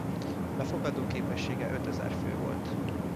Befogadóképessége ötezer fő volt.